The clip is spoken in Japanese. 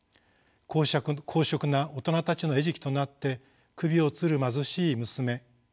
好色な大人たちの餌食となって首をつる貧しい娘。